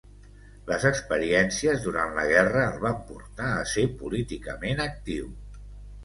Les experiències durant la guerra el van portar a ser políticament actiu.